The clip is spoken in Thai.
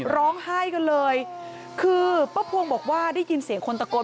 ร้องไห้กันเลยคือป้าพวงบอกว่าได้ยินเสียงคนตะโกน